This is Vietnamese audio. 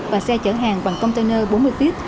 và xe chở hàng bằng container bốn mươi fit